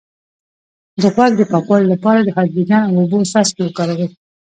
د غوږ د پاکوالي لپاره د هایدروجن او اوبو څاڅکي وکاروئ